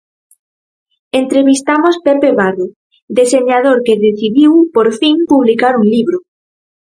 Entrevistamos Pepe Barro, deseñador que decidiu, por fin, publicar un libro.